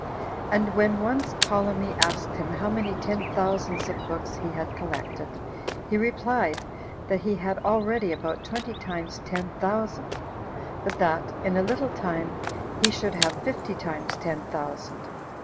And when once Ptolemy asked him how many ten thousands of books he had collected, he replied, that he had already about twenty times ten thousand; but that, in a little time, he should have fifty times ten thousand.